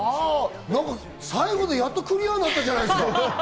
最後でやっとクリアになったじゃないですか。